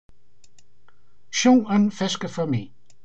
Sjong in ferske foar my.